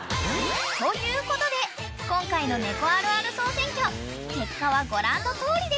［ということで今回の猫あるある総選挙結果はご覧のとおりでした］